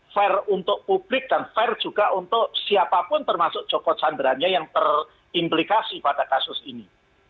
fair untuk publik dan fair juga untuk siapapun termasuk joko chandranya yang terimplikasi pada kasus ini